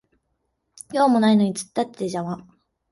用もないのに突っ立ってて邪魔